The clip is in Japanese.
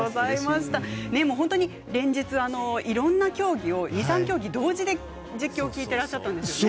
本当に、いろんな競技を２３競技同時に実況を聞いてらっしゃったんですね。